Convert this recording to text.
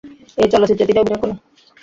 এ চলচ্চিত্রে তিনি অভিনয়ও করেন।